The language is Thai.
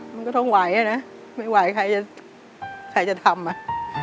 มันก็ต้องไหวนะไม่ไหวใครจะทำ